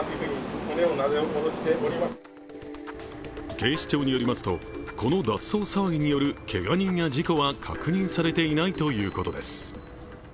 警視庁によりますとこの脱走騒ぎによるけが人や事故は確認されていないということです。